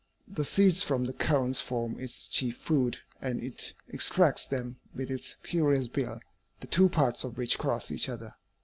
The seeds from the cones form its chief food, and it extracts them with its curious bill, the two parts of which cross each other.